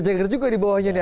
jeger juga di bawahnya nih